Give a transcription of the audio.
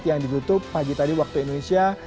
yang ditutup pagi tadi waktu indonesia